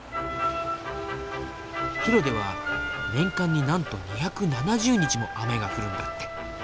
ヒロでは年間になんと２７０日も雨が降るんだって。